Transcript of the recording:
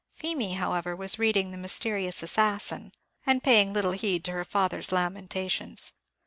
Feemy, however, was reading the "Mysterious Assassin," and paying little heed to her father's lamentations.